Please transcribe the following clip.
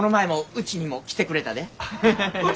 うちにも来てくれたで。